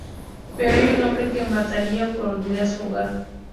Pero hay un hombre que mataría por olvidar su hogar.